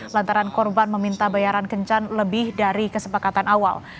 lantaran korban meminta bayaran kencan lebih dari kesepakatan awal